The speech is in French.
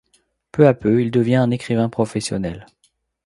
Peu à peu, il devient un écrivain professionnel.